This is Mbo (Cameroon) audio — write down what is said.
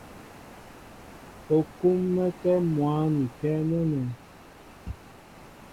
U kúm̀mɛ́kɛ́ mwǎn ikɛ́ nɛ́nɛ.